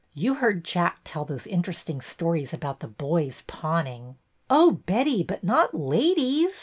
You heard Jack tell those interesting stories about the boys pawning." Oh, Betty, but not ladies